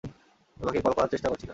তোমাকে কল করার চেষ্টা করছিলাম!